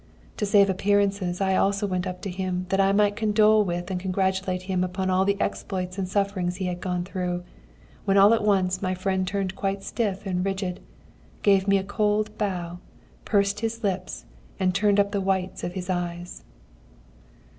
"To save appearances, I also went up to him that I might condole with and congratulate him upon all the exploits and sufferings he had gone through, when all at once my friend turned quite stiff and rigid, gave me a cold bow, pursed his lips, and turned up the whites of his eyes.